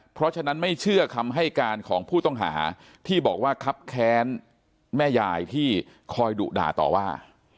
เพราะฉะนั้นไม่เชื่อคำให้การของผู้ต้องหาที่บอกว่าคับแค้นแม่ยายที่คอยดุด่าต่อว่า